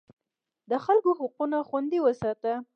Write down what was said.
د خلکو حقوق خوندي وساته.